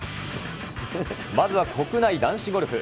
まずは、国内男子ゴルフ。